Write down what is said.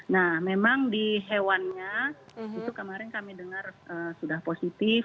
nah memang di hewannya itu kemarin kami dengar sudah positif